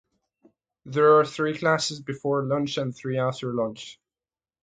There are three classes before lunch and three after lunch.